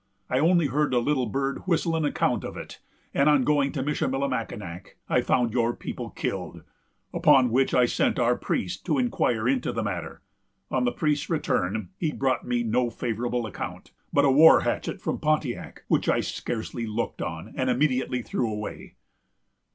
I only heard a little bird whistle an account of it, and, on going to Michillimackinac, I found your people killed; upon which I sent our priest to inquire into the matter. On the priest's return, he brought me no favorable account, but a war hatchet from Pontiac, which I scarcely looked on, and immediately threw away."